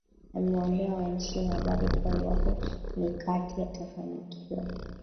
amewaambia wandishi wa habari kuwa iwapo mikati atafanikiwa